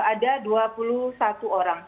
ada dua puluh satu orang